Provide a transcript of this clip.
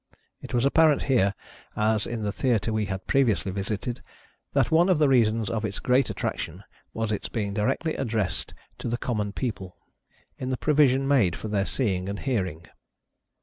It was apparent here, as in the theatre we had previously visited, that one of the reasons of its great attraction was its being directly addressed to the common people, in the provision made for their seeing and hearing.